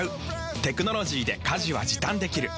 テクノロジーで家事は時短できる。